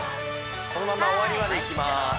このまま終わりまでいきます